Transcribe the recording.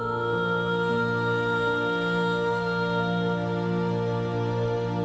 อ้าวอ้าว